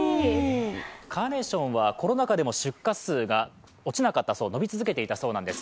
カーネーションはコロナ禍でも出荷数が落ちなかったそうで、伸び続けていたそうです。